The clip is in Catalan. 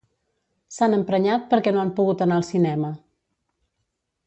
S'han emprenyat perquè no han pogut anar al cinema.